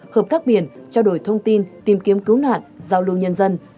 hợp tác biển trao đổi thông tin tìm kiếm cứu nạn giao lưu nhân dân